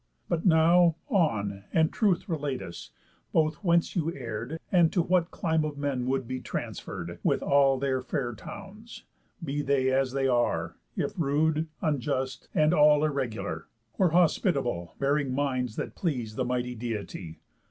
But now, on, And truth relate us, both whence you err'd, And to what clime of men would be transferr'd, With all their fair towns, be they as they are, If rude, unjust, and all irregular, Or hospitable, bearing minds that please The mighty Deity.